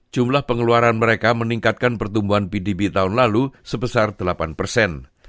jumlah pengeluaran mereka meningkatkan pertumbuhan pdb tahun lalu sebesar delapan persen